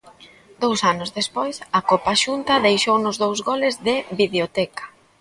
Dous anos despois, a Copa Xunta deixounos dous goles de videoteca.